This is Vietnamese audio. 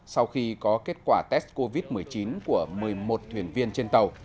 sau khi có kết quả test covid một mươi chín của một mươi một thuyền viên trên tàu